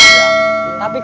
bang toyiknya baru lihat